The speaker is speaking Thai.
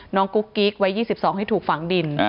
น้องกุ๊กกิ๊กไว้๒๒ให้ถูกฝังดิน